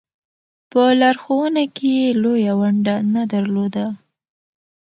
په لارښوونه کې یې لویه ونډه نه درلوده.